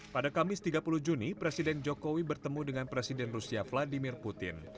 pada kamis tiga puluh juni presiden jokowi bertemu dengan presiden rusia vladimir putin